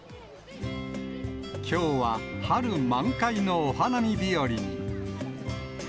きょうは、春満開のお花見日和に。